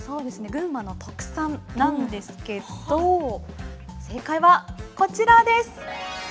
群馬の特産なんですけど正解はこちらです！